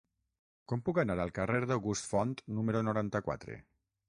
Com puc anar al carrer d'August Font número noranta-quatre?